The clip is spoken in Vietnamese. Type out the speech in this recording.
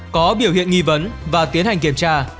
có biểu hiện nghi vấn và tiến hành kiểm tra